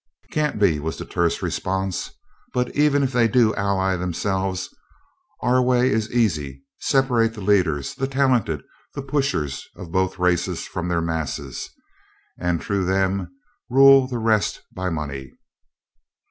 "Can't be," was the terse response. "But even if they do ally themselves, our way is easy: separate the leaders, the talented, the pushers, of both races from their masses, and through them rule the rest by money."